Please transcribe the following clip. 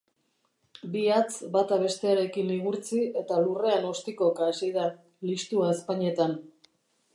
Bi hatz bata bestearekin igurtzi eta lurrean ostikoka hasi da, listua ezpainetan.